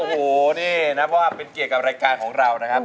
เพราะว่าเป็นเกียรติกับรายการของเรานะครับ